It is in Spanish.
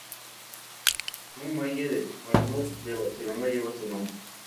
Un muelle del Puerto de Barcelona lleva su nombre.